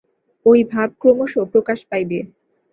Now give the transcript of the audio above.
ঐ ভাব ক্রমশ প্রকাশ পাইবে।